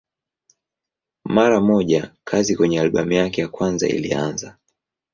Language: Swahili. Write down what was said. Mara moja kazi kwenye albamu yake ya kwanza ilianza.